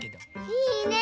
いいね！